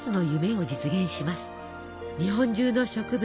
日本中の植物